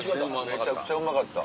めちゃくちゃうまかった！